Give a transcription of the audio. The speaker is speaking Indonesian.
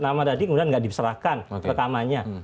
nama tadi kemudian nggak diserahkan rekamanya